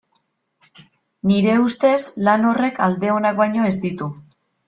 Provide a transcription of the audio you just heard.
Nire ustez, lan horrek alde onak baino ez ditu.